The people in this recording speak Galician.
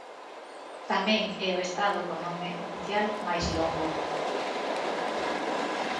Tamén é o estado co nome oficial máis longo.